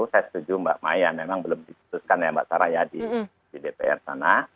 saya setuju mbak maya memang belum diputuskan ya mbak sarah ya di dpr sana